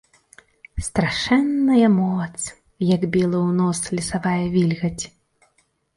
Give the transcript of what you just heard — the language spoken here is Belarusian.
Страшэнная моц, як біла ў нос лесавая вільгаць.